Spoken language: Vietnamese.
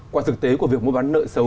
qua thực tế của việc mua bán nợ xấu